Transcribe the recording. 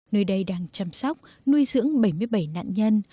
nơi đây đang chăm sóc nuôi dưỡng bảy mươi bảy nạn nhân